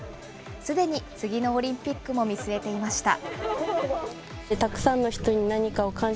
すでに次のオリンピックも見据えていました。